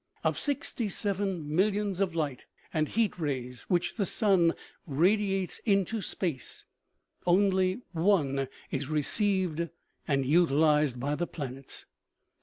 Of sixty seven millions of light and heat rays which the sun radiates into space, only one is received and utilized by the planets.